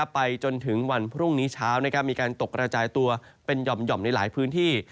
ไปจนถึงวันพรุ่งนี้เช้ามีการตกกระจายตัวเป็นหย่อมในหลายพื้นที่